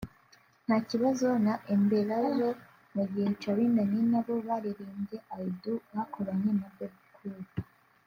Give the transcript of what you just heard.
“Nta kibazo” na “Embeera zo” mu gihe Charly na Nina bo baririmbye “I Do” bakoranye na Bebe Cool